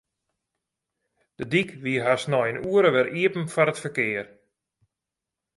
De dyk wie nei hast in oere wer iepen foar it ferkear.